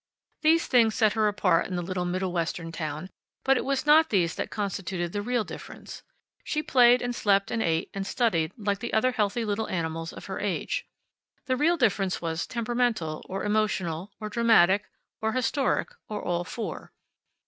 These things set her apart in the little Middle Western town; but it was not these that constituted the real difference. She played, and slept, and ate, and studied like the other healthy little animals of her age. The real difference was temperamental, or emotional, or dramatic, or historic, or all four.